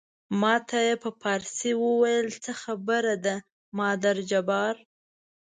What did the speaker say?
ما ته یې په فارسي وویل څه خبره ده مادر جبار.